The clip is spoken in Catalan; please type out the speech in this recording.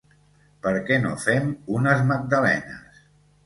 Per què no fem unes magdalenes?